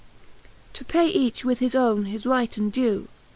To pay each with his owne is right and dew.